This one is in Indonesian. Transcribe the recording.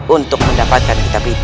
untuk mendapatkan kitab itu